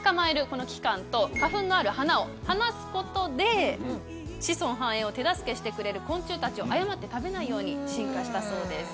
この器官と花粉がある花を離すことで子孫繁栄を手助けしてくれる昆虫たちを誤って食べないように進化したそうです。